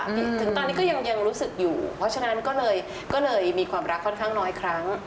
ถึงตอนนี้ก็ยังรู้สึกอยู่เพราะฉะนั้นก็เลยมีความรักค่อนข้างน้อยครั้ง